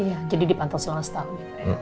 iya jadi dipantau selama setahun